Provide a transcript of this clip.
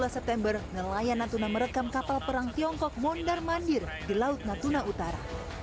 dua belas september nelayan natuna merekam kapal perang tiongkok mondar mandir di laut natuna utara